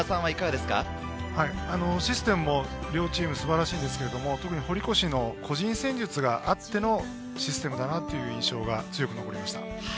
システムも両チーム素晴らしいんですけれど、特に堀越の個人戦術があってのシステムだなという印象が強く残りました。